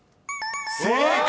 ［正解！